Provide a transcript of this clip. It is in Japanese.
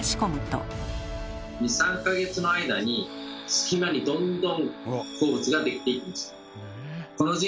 ２３か月の間に隙間にどんどん鉱物ができていきます。